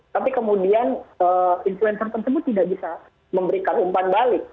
tapi kemudian influencer tersebut tidak bisa memberikan umpan balik